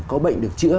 có bệnh được chữa